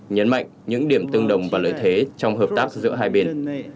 nhấn mạnh những điểm tương đồng và lợi thế trong hợp tác giữa hai bên